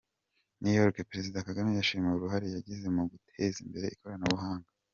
New York: Perezida Kagame yashimiwe uruhare yagize mu guteza imbere ikoranabuhanga.